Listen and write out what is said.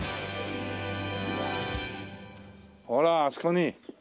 ほらあそこに。